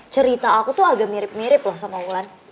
cerita aku tuh agak mirip mirip loh sama wulan